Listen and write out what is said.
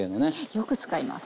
よく使います。